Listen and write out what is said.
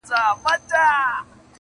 نه په منځ كي خياطان وه نه ټوكران وه!.